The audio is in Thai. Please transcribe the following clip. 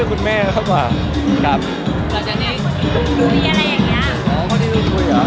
คนที่เรากุยแล้ว